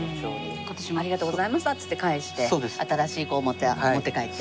今年もありがとうございましたっつって返して新しい子を持って帰って。